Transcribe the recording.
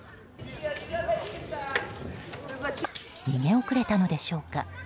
逃げ遅れたのでしょうか。